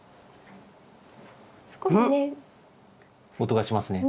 音がしますね。